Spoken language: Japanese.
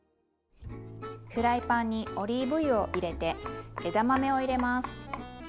フライパンにオリーブ油を入れて枝豆を入れます。